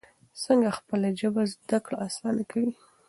څنګه خپله ژبه زده کړه اسانه کوي؟